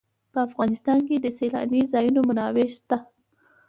په افغانستان کې د سیلانی ځایونه منابع شته.